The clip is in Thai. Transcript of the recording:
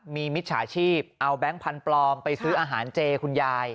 มีมิจฉาชีพเอาแบงค์พันธุ์ปลอมไปซื้ออาหารเจคุณยาย